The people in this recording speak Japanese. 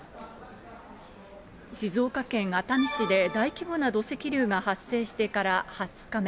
静岡県熱海市で大規模な土石流が発生してから２０日目。